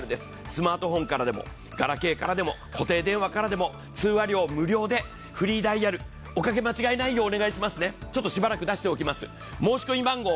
スマートフォンからでもガラケーからでも固定電話からでも通話料無料でフリーダイヤルおかけ間違いないようにお願いしますね。